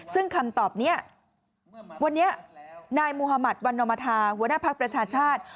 ซึ่งคำตอบนี้วันนี้นายมุธมัติวันนมธาหัวหน้าภักดิ์ประชาชาติ